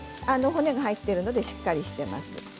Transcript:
骨が入っているのでしっかりしています。